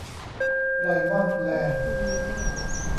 ไรมอน แลนด์